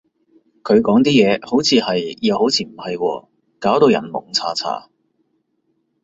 佢講啲嘢，好似係，又好似唔係喎，搞到人矇查查